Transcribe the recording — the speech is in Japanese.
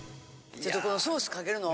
このソースかけるの？